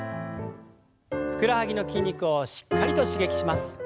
ふくらはぎの筋肉をしっかりと刺激します。